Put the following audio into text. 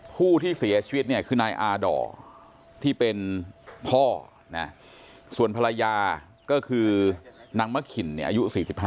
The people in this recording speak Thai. ผู้ที่เสียชีวิตคือนายอาดอร์ที่เป็นพ่อส่วนภรรยาก็คือนางมะขินอายุ๔๕